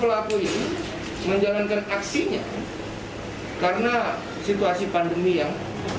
menjalankan aksinya karena situasi pandemi yang